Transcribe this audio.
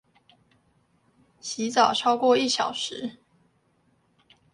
洗澡超過一小時